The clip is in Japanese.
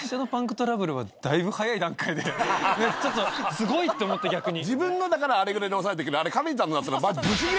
すごいって思った逆に。